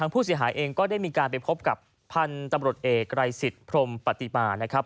ผู้เสียหายเองก็ได้มีการไปพบกับพันธุ์ตำรวจเอกไรสิทธิพรมปฏิมานะครับ